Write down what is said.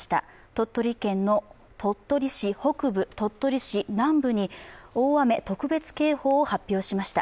鳥取県の鳥取市北部、鳥取市南部に大雨特別警報を発表しました。